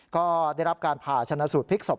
ก็ได้รับการผ่าชนะสูตรพลิกศพ